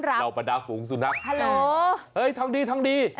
เหล่าบรรดาฝูงสุนัขฮัลโหล